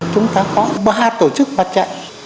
chúng ta có ba tổ chức mặt trận